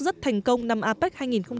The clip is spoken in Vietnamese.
rất thành công năm apec hai nghìn một mươi bảy